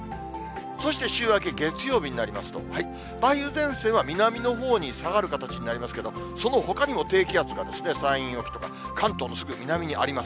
そして週明け月曜日になりますと、梅雨前線は南のほうに下がる形になりますけど、そのほかにも低気圧が山陰沖とか関東のすぐ南にあります。